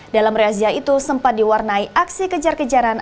dalam razia itu sempat diwarnai aksi kejar kejaran